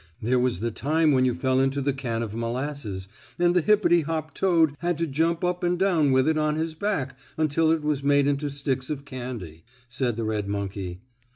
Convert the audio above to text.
"There was the time when you fell into the can of molasses, and the hippity hop toad had to jump up and down with it on his back, until it was made into sticks of candy," said the red monkey.